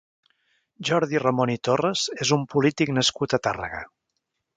Jordi Ramon i Torres és un polític nascut a Tàrrega.